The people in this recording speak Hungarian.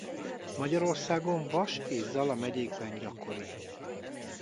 Magyarországon Vas és Zala megyékben gyakori.